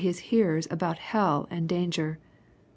liis hearers about hdl and danger.